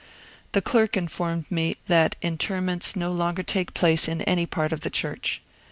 The clerk informed me that interments no longer take place in any part of the church.